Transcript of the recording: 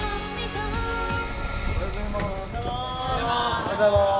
おはようございます。